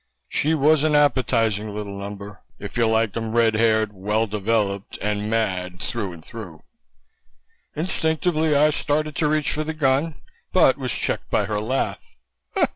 She was an appetizing little number, if you like 'em red haired, well developed and mad through and through. Instinctively I started to reach for the gun but was checked by her laugh.